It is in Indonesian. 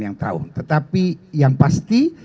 yang tahun tetapi yang pasti